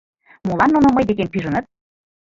«Молан нуно мый декем пижыныт?